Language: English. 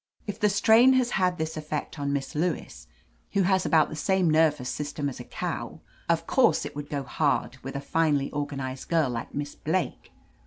"If the strain has had this effect on Miss Lewis, who has about the same nervous sys tem as a cow, of course it would go hard with a finely organized girl like Miss Blake.